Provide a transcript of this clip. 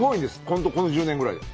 本当この１０年ぐらいで。